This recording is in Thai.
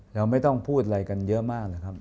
เราไม่ต้องพูดอะไรกันเยอะมากนะครับ